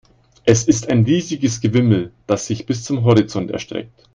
Es ist ein riesiges Gewimmel, das sich bis zum Horizont erstreckt.